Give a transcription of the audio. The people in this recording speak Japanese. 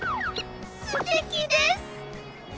すてきです！